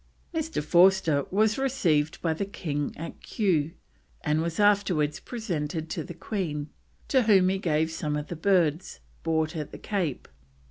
Mr. Forster was received by the King at Kew, and was afterwards presented to the Queen, to whom he gave some of the birds bought at the Cape.